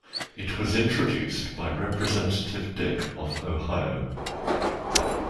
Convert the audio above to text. It was introduced by Representative Dick of Ohio.